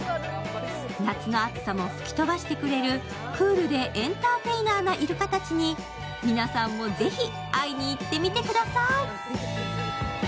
夏の暑さも吹き飛ばしてくれるクールでエンターテイナーなイルカたちに皆さんもぜひ会いに行ってみてください。